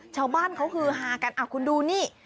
ชาวบ้านเขาฮือฮากันคุณดูนี่